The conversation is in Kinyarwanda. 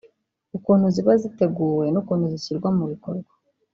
ukuntu ziba ziteguwe n’ukuntu zishyirwa mu bikorwa